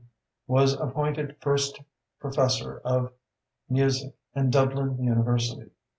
was appointed first professor of music in Dublin University.